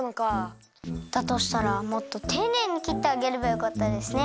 だとしたらもっとていねいにきってあげればよかったですね。